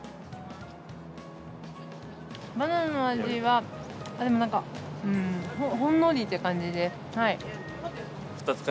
バナナの味は、なんかほんのりって感じで。